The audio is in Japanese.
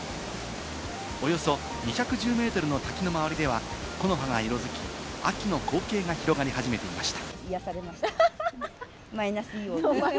およそ２１０ｍの滝の周りでは、木の葉が色づき、秋の光景が広がり始めていました。